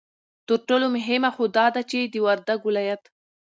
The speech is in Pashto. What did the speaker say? ترټولو مهمه خو دا ده چې د وردگ ولايت